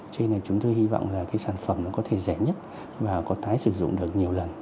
cho nên là chúng tôi hy vọng là cái sản phẩm nó có thể rẻ nhất và có tái sử dụng được nhiều lần